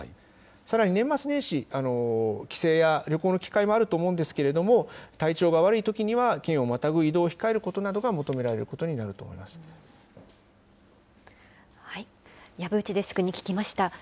さらに年末年始、帰省や旅行の機会もあると思うんですけれども、体調が悪いときには県をまたぐ移動を控えることが求められること籔内デスクに聞きました。